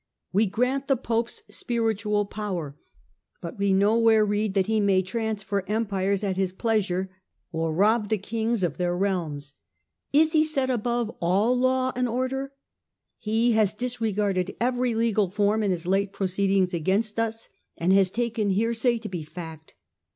" We grant the Pope's spiritual power, but we nowhere read that he may transfer Empires at his plea 242 THE DEPOSED EMPEROR 243 sure, or rob the Kings of their realms. Is he set above all law and order ? He has disregarded every legal form in his late proceedings against us, and has taken hearsay to be fact.